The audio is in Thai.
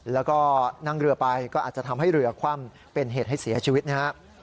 แล้วก็นั่งเรือไปก็อาจจะทำให้เรือคว่ำเป็นเหตุให้เสียชีวิตนะครับ